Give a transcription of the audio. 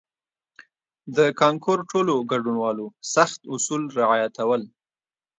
د کانکور ټولو ګډونوالو سخت اصول رعایتول.